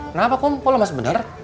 kenapa kum kok lo masih bener